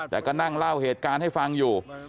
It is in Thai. แต่ก็นั่งเล่าเหตุการณ์ให้ฟังอยู่